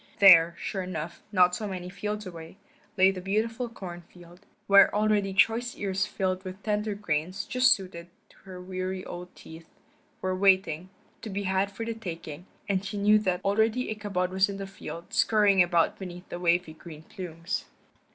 There, sure enough, not many fields away, lay the beautiful corn field, where already choice ears filled with tender grains, just suited to her worn old teeth, were waiting, to be had for the taking, and she knew that already Ichabod was in the field, scurrying about beneath the wavy green plumes.